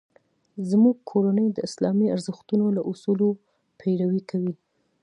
زموږ کورنۍ د اسلامي ارزښتونو او اصولو پیروي کوي